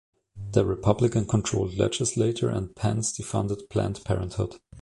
The Republican-controlled legislature and Pence defunded Planned Parenthood.